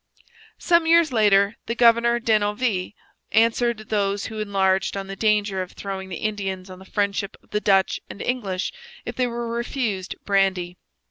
Some years later the governor Denonville answered those who enlarged on the danger of throwing the Indians on the friendship of the Dutch and English if they were refused brandy.